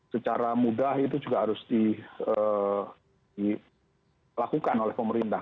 secara mudah itu juga harus dilakukan oleh pemerintah